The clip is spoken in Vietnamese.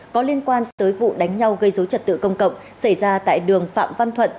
có liên quan tới vụ đánh nhau gây dối trật tự công cộng xảy ra tại đường phạm văn thuận